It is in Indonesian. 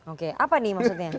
oke apa nih maksudnya